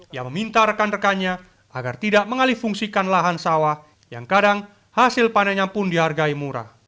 ia meminta rekan rekannya agar tidak mengalih fungsikan lahan sawah yang kadang hasil panennya pun dihargai murah